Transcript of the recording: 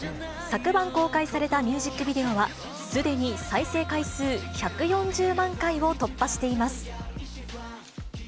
昨晩公開されたミュージックビデオは、すでに再生回数１４０万回を突破しています。